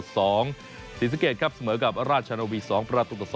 ศรีสะเกดครับเสมอกับราชนาวี๒ประตูต่อ๒